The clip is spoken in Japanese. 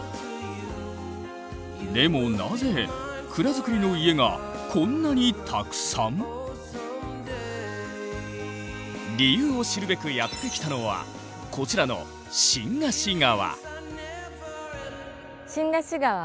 でもなぜ蔵造りの家がこんなにたくさん？理由を知るべくやって来たのはこちらの新河岸川。